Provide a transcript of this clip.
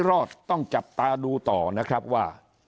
รอดต้องจับตาดูต่อนะครับว่า